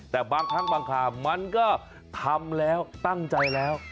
แต่บางครั้งบางครามมันก็ทำแล้วตั้งใจแล้ว